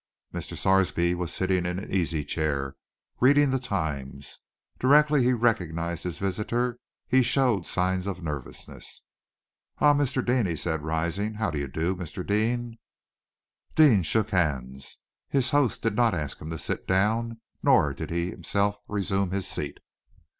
Mr. Sarsby was sitting in an easy chair, reading the Times. Directly he recognized his visitor he showed signs of nervousness. "Ah, Mr. Deane!" he said, rising. "How do you do, Mr. Deane?" Deane shook hands. His host did not ask him to sit down, nor did he himself resume his seat.